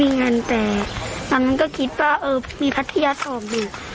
ไม่มีเงินแต่ตอนนั้นก็คิดว่าเออมีพัฒน์ที่ยาส่องดี